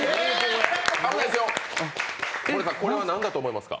これは何だと思いますか？